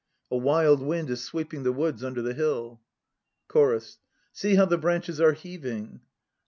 A wild wind is sweeping the woods under the hill. CHORUS. See how the branches are heaving.